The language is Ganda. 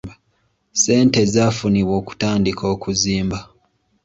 Ssente zaafunibwa okutandika okuzimba .